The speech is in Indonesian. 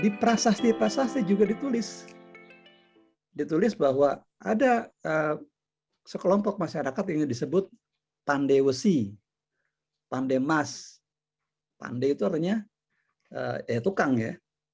di prasasti prasasti juga ditulis ditulis bahwa ada sekelompok masyarakat yang disebut pandai besi pandai mas pandai itu artinya tukang ya